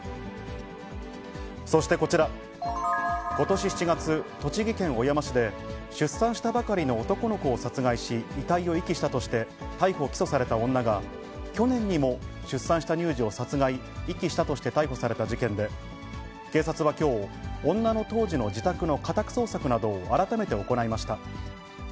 そしてこちら、ことし７月、栃木県小山市で、出産したばかりの男の子を殺害し、遺体を遺棄したとして逮捕・起訴された女が、去年にも、出産した乳児を殺害・遺棄したとして逮捕された事件で、警察はきょう、女の当時の自宅の家宅捜索などを改めて行いました。